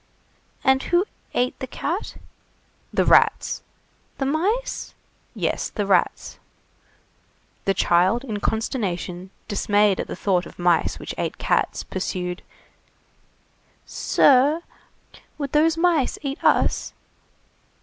"And who ate the cat?" "The rats." "The mice?" "Yes, the rats." The child, in consternation, dismayed at the thought of mice which ate cats, pursued:— "Sir, would those mice eat us?"